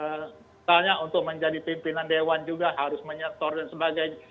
misalnya untuk menjadi pimpinan dewan juga harus menyetor dan sebagainya